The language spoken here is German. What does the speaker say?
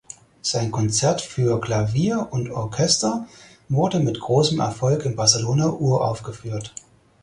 Sein "Konzert für Klavier und Orchester" wurde mit großem Erfolg in Barcelona uraufgeführt.